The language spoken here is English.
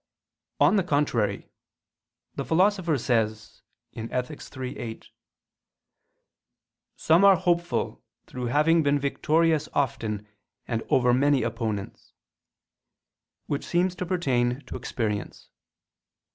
On the contrary, The Philosopher says (Ethic. iii, 8) "some are hopeful, through having been victorious often and over many opponents": which seems to pertain to experience.